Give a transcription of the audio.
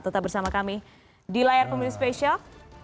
tetap bersama kami di layar pemilu spesial